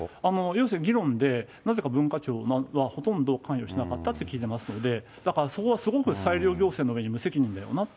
要するに議論で、なぜか文化庁はほとんど関与しなかったと聞いていますので、だからそれはすごく裁量行政の上に無責任だよな